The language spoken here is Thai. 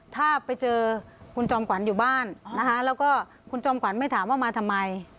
ถ้าไปเจอคุณจอมขวัญอยู่บ้านนะคะแล้วก็คุณจอมขวัญไม่ถามว่ามาทำไม